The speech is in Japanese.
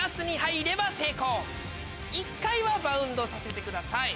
１回はバウンドさせてください。